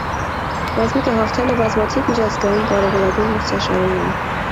Ռազմիկը հաղթել է բազմաթիվ միջազգաին կարևորագույն մրցաշարերում։